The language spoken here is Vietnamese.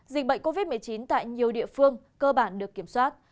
dịch bệnh covid một mươi chín tại nhiều địa phương cơ bản được kiểm soát